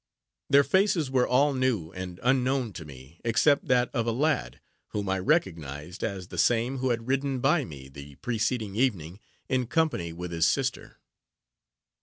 Their faces were all new and unknown to me, except that of a lad, whom I recognized as the same who had ridden by me, the preceding evening, in company with his sister.